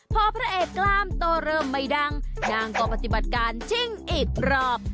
พอพระเอกกล้ามโตเริ่มไม่ดังนางก็ปฏิบัติการชิ่งอีกรอบ